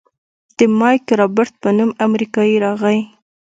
د مايک رابرټ په نوم امريکايي راغى.